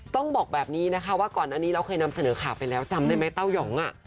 ต้องบอกแบบนี้นะคะว่าก่อนอันนี้เราเคยนำเสนอข่าวไปแล้วจำได้ไหมเต้ายอง